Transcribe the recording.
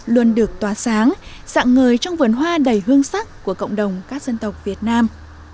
luôn được tỏa sáng dạng ngời trong vườn hoa đầy hương sắc của cộng đồng các dân tộc việt nam